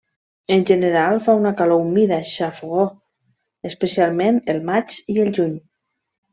En general fa una calor humida, xafogor, especialment el maig i juny.